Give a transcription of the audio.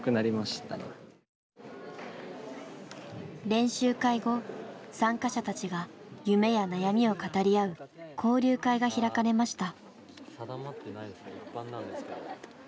練習会後参加者たちが夢や悩みを語り合う交流会が開かれました。